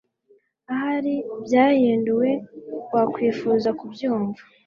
Ahari byahinduwe wakwifuza kubyumva